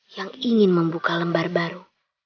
yang ingin membuka lembar baru